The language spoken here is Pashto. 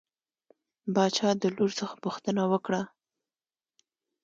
باچا د لور څخه پوښتنه وکړه.